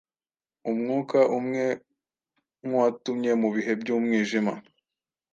Umwuka umwe nk’uwatumye, mu Bihe by’Umwijima,